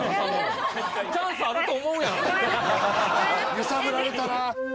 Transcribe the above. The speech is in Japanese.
揺さぶられたな。